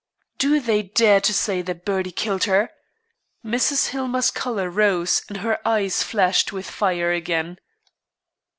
"Do they dare to say that Bertie killed her?" Mrs. Hillmer's color rose and her eyes flashed fire again.